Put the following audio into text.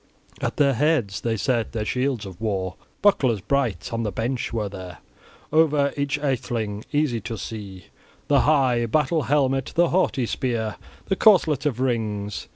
At their heads they set their shields of war, bucklers bright; on the bench were there over each atheling, easy to see, the high battle helmet, the haughty spear, the corselet of rings.